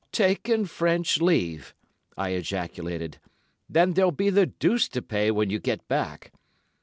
"'Taken French leave!' I ejaculated. 'Then there'll be the deuce to pay when you get back.